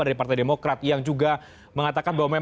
dari partai demokrat yang juga mengatakan bahwa